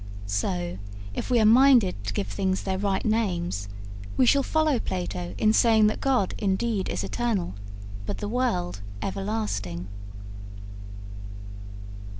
So, if we are minded to give things their right names, we shall follow Plato in saying that God indeed is eternal, but the world everlasting.